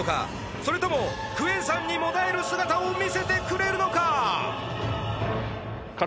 それともクエン酸にもだえる姿を見せてくれるのか？